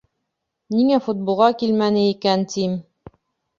Ниңә футболға килмәне икән, тим.